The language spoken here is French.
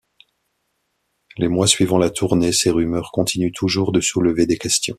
Les mois suivant la tournée, ces rumeurs continuent toujours de soulever des questions.